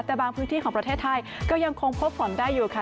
แต่บางพื้นที่ของประเทศไทยก็ยังคงพบฝนได้อยู่ค่ะ